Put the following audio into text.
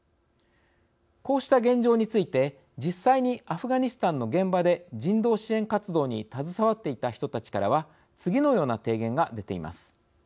こうした現状について実際にアフガニスタンの現場で人道支援活動に携わっていた人たちからは次のような提言が出ています。